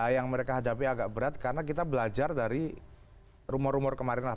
yang mereka hadapi agak berat karena kita belajar dari rumor rumor kemarin lah